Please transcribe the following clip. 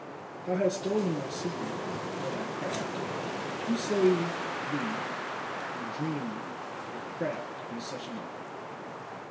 Thou hast stolen my secret by thy craft; who save thee would dream of craft in such an hour?